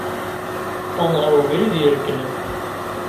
Wwḍen ɣer ubrid ireglen.